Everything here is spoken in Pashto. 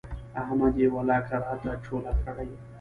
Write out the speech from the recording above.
احمد يې ولاکه راته چوله کړي.